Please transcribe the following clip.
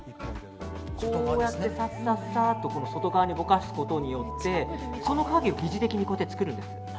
さっさっさと外側にぼかすことによってその影を擬似的に作るんです。